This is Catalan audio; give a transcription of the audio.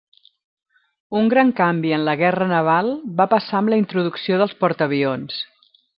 Un gran canvi en la guerra naval va passar amb la introducció dels portaavions.